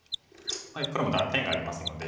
黒も断点がありますので。